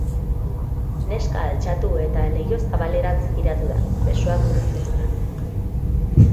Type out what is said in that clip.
Neska altxatu eta leiho zabalerantz jiratu da, besoak gurutzatuta.